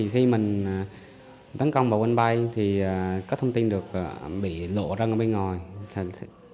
khi mình tấn công vào onpay thì các thông tin được bị lộ ra bên ngoài